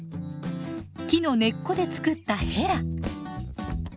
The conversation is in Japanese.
木の根っこで作ったヘラ。